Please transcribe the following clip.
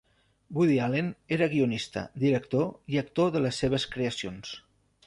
Woody Allen era guionista, director i actor de les seves creacions.